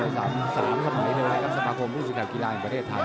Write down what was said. ยอดมวย๓สมัยเท่าไรครับสมภคมรุ่นสุขแข่วกีฬาภัยประเทศไทย